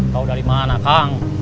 tau dari mana kang